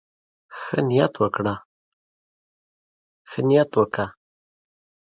ښه نيت وکړه.